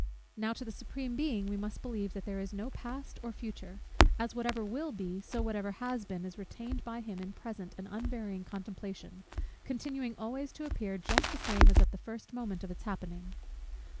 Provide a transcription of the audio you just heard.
Now to the Supreme Being we must believe that there is no past or future; as whatever will be, so whatever has been, is retained by him in present and unvarying contemplation, continuing always to appear just the same as at the first moment of its happening.